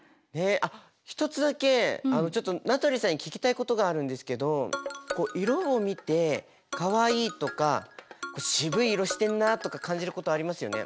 あっ一つだけちょっと名取さんに聞きたいことがあるんですけど色を見てかわいいとかしぶい色してんなとか感じることありますよね。